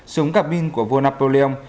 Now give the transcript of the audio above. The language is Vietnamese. súng cạp binh của vua napoleon